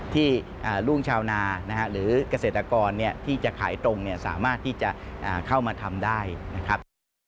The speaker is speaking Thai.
ที่รุ่งชาวนาหรือเกษตรกรที่จะขายตรงสามารถที่จะเข้ามาทำได้นะครับ